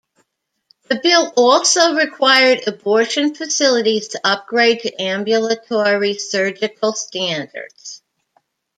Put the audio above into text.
The bill also required abortion facilities to upgrade to ambulatory surgical standards.